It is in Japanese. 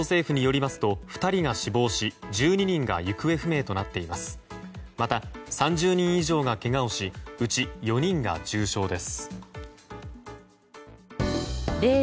また３０人以上がけがをしうち４人が重傷です。